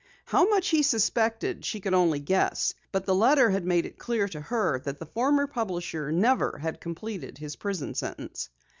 How much he suspected she could only guess. But the letter had made it clear to her that the former publisher never had completed his prison sentence.